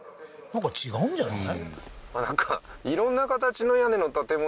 なんか違うんじゃない？